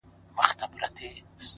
o هغه خو دا گراني كيسې نه كوي ـ